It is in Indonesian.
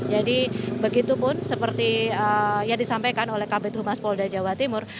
jadi begitu pun seperti yang disampaikan oleh kabupaten humas polda jawa timur